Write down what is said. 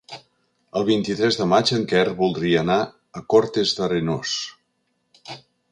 El vint-i-tres de maig en Quer voldria anar a Cortes d'Arenós.